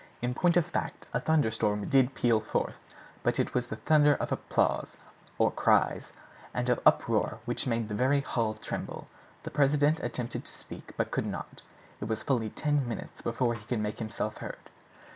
In point of fact, a thunderstorm did peal forth, but it was the thunder of applause, or cries, and of uproar which made the very hall tremble. The president attempted to speak, but could not. It was fully ten minutes before he could make himself heard.